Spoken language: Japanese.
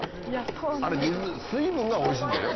あれ水分がおいしいんだよ